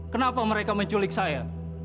kenapa mereka menculik saya